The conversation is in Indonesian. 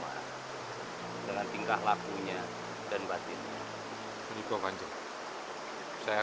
maka mandilah kau di airnya